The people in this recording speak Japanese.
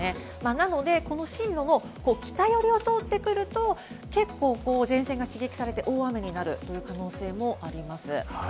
なのでこの進路も北寄りを通ってくると結構、前線が刺激されて大雨になるという可能性もあります。